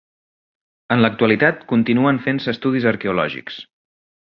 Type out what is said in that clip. En l'actualitat continuen fent-se estudis arqueològics.